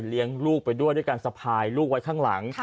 ลูกไปด้วยด้วยการสะพายลูกไว้ข้างหลัง